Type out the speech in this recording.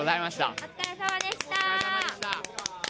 お疲れさまでした。